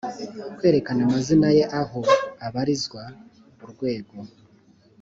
kwerekana amazina ye aho abarizwa urwego